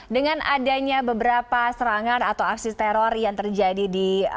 dengan adanya beberapa serangan atau aksi teror yang terjadi di